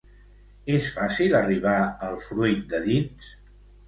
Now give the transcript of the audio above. És fàcil arribar al fruit de dins?